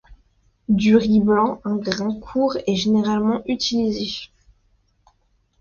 Du riz blanc à grain court est généralement utilisé.